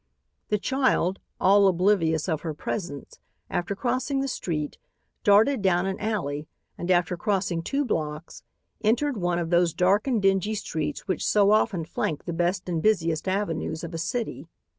The child, all oblivious of her presence, after crossing the street, darted down an alley and, after crossing two blocks, entered one of those dark and dingy streets which so often flank the best and busiest avenues of a city.